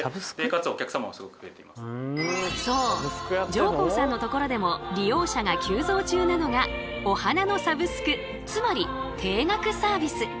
上甲さんのところでも利用者が急増中なのがお花のサブスクつまり定額サービス。